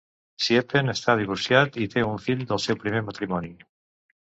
Siepen està divorciat i té un fill del seu primer matrimoni.